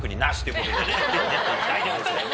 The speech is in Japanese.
大丈夫ですか？